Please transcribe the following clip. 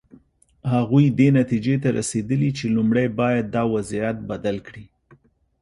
هغوی دې نتیجې ته رسېدلي چې لومړی باید دا وضعیت بدل کړي.